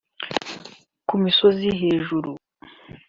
ku misozi hejuru